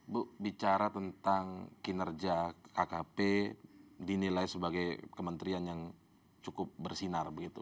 bu bicara tentang kinerja kkp dinilai sebagai kementerian yang cukup bersinar begitu